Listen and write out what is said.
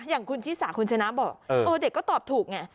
อย่างคุณชิสาคุณชนะบอกเด็กก็ตอบถูกไง